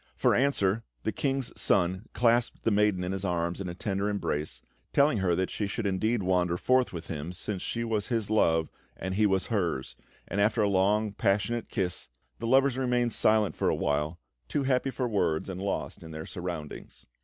For answer, the King's Son clasped the maiden in his arms in a tender embrace, telling her that she should indeed wander forth with him, since she was his love and he was hers; and after a long passionate kiss, the lovers remained silent for a while, too happy for words and lost to their surroundings.